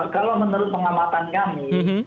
kalau menurut pengamatan kami